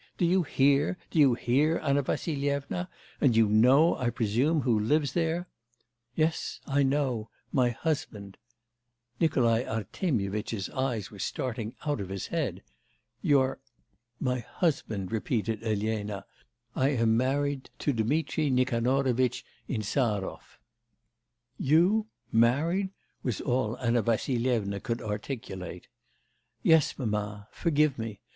Do you hear, do you hear, Anna Vassilyevna? And you know, I presume, who lives there?' 'Yes, I know; my husband.' Nikolai Artemyevitch's eyes were starting out of his head. 'Your ' 'My husband,' repeated Elena; 'I am married to Dmitri Nikanorovitch Insarov.' 'You? married?' was all Anna Vassilyevna could articulate. 'Yes, mamma.... Forgive me.